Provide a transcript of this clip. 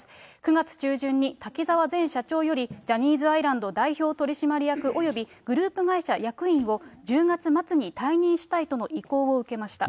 ９月中旬に滝沢前社長より、ジャニーズアイランド代表取締役及びグループ会社役員を１０月末に退任したいとの意向を受けました。